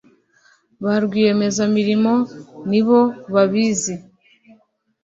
ba rwiyemezamirimo ni bo babizi